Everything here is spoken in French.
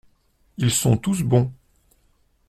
Ils sont tous bons.